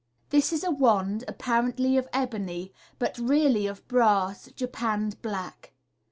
— This is a wand, appa rently of ebony, but really of brass, japanned black.